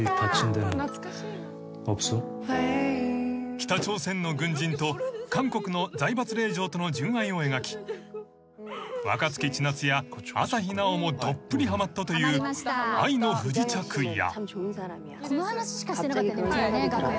［北朝鮮の軍人と韓国の財閥令嬢との純愛を描き若槻千夏や朝日奈央もどっぷりはまったという『愛の不時着』や］